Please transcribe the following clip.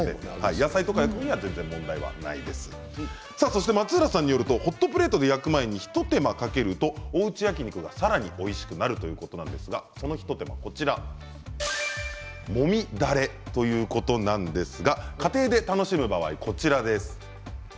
そして松浦さんによるとホットプレートで焼く前に一手間かけるとおうち焼き肉はさらにおいしくなるということなんですが、その一手間はもみダレということなんですが家庭で楽しむ場合こちらです。